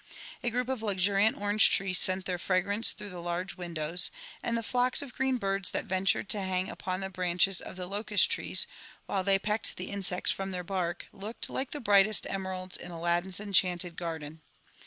A group of IctturiaAt orange trees sent their fragrance through the large windows ; and the flocks of green birds that ventured to hang upon the branches of the lOoasMrees, while they pecked the insects from their bark, looked like the brightest emeralds in Aladdin's enchanted garden.